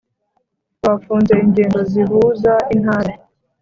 bafunze ingendo zihuza intara